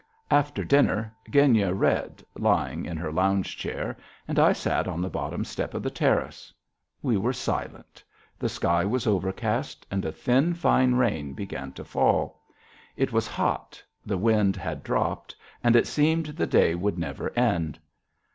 After dinner Genya read, lying in her lounge chair, and I sat on the bottom step of the terrace. We were silent. The sky was overcast and a thin fine rain began to fall. It was hot, the wind had dropped, and it seemed the day would never end.